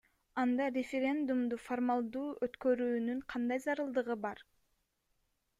Анда референдумду формалдуу өткөрүүнүн кандай зарылдыгы бар?